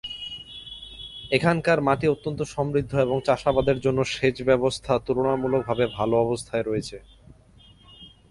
এখানকার মাটি অত্যন্ত সমৃদ্ধ এবং চাষাবাদের জন্য সেচ ব্যবস্থা তুলনামূলকভাবে ভাল অবস্থায় রয়েছে।